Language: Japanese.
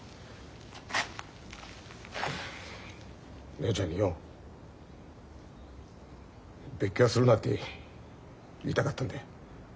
姉ちゃんによ別居はするなって言いたかったんだよ。